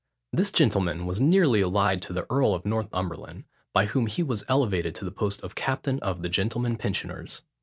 This gentleman was nearly allied to the earl of Northumberland, by whom he was elevated to the post of captain of the gentlemen pensioners.